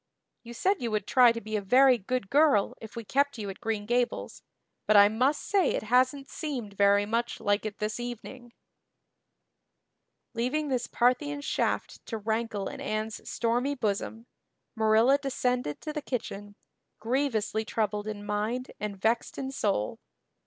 You said you would try to be a very good girl if we kept you at Green Gables, but I must say it hasn't seemed very much like it this evening." Leaving this Parthian shaft to rankle in Anne's stormy bosom, Marilla descended to the kitchen, grievously troubled in mind and vexed in soul.